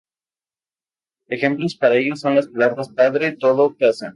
Ejemplos de ello son las palabras "padre, todo, casa".